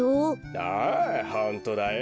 ああホントだよ。